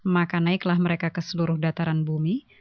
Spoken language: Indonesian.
maka naiklah mereka ke seluruh dataran bumi